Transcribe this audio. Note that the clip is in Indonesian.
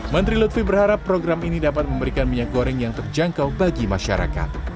menteri lutfi berharap program ini dapat memberikan minyak goreng yang terjangkau bagi masyarakat